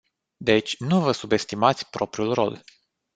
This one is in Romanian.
Deci, nu vă subestimați propriul rol.